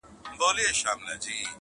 خلک ځغلي تر ملا تر زیارتونو!.